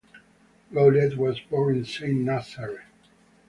Goulet was born in Saint-Nazaire.